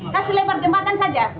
kasih lebar jembatan saja